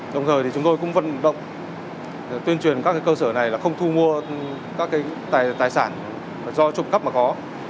đồng thời thì chúng tôi cũng vận động tuyên truyền các cơ sở này là không thu mua các tài sản do trộm cắp mà có